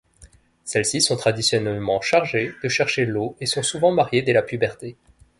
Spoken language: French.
Celles-ci sont traditionnellement chargées de chercher l'eau et sont souvent mariées dès la puberté.